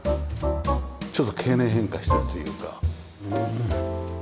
ちょっと経年変化してるというか。